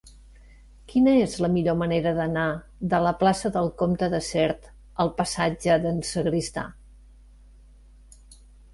Quina és la millor manera d'anar de la plaça del Comte de Sert al passatge d'en Sagristà?